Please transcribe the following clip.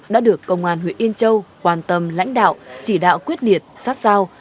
đã được công an huyện yên châu quan tâm lãnh đạo chỉ đạo quyết liệt sát sao